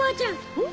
うん？